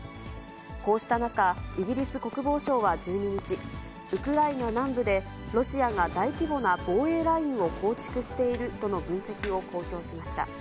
こうした中、イギリス国防省は１２日、ウクライナ南部で、ロシアが大規模な防衛ラインを構築しているとの分析を公表しました。